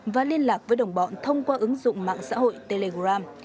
và liên lạc với đồng bọn thông qua ứng dụng mạng xã hội telegram